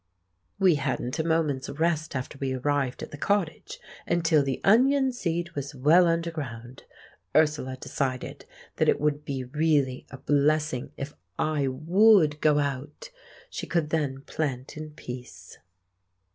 We hadn't a moment's rest after we arrived at the cottage until the onion seed was well underground. Ursula decided that it would be really a blessing if I would go out—she could then plant in peace.